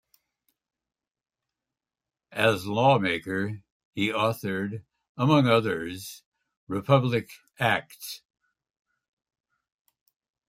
As lawmaker he authored, among others Republic Act.